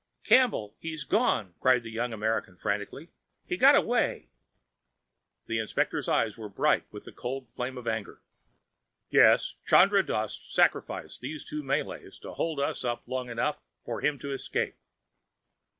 "Campbell, he's gone!" cried the young American frantically. "He's got away!" The inspector's eyes were bright with cold flame of anger. "Yes, Chandra Dass sacrificed these two Malays to hold us up long enough for him to escape."